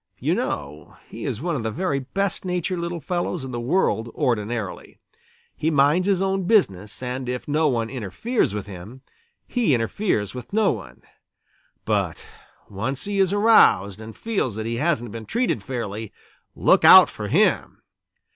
You know he is one of the very best natured little fellows in the world ordinarily. He minds his own business, and if no one interferes with him, he interferes with no one. But once he is aroused and feels that he hasn't been treated fairly, look out for him!